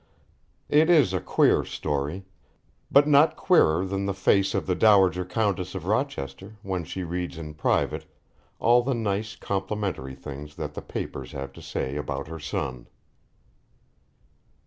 It is a queer story, but not queerer than the face of the Dowager Countess of Rochester when she reads in private all the nice complimentary things that the papers have to say about her son.